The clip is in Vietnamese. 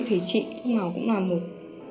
thì chị cũng là một